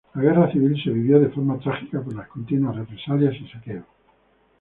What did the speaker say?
La Guerra Civil se vivió de forma trágica por las continuas represalias y saqueos.